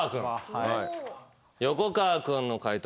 横川君の解答